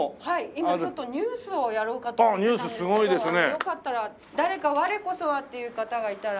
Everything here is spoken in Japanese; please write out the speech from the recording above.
今ちょっとニュースをやろうかと思ってたんですけどよかったら誰か我こそはっていう方がいたら。